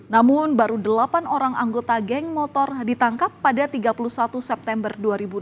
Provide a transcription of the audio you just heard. namun baru delapan orang anggota geng motor ditangkap pada tiga puluh satu september dua ribu delapan belas